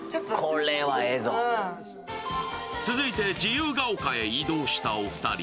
続いて自由が丘へ移動したお二人。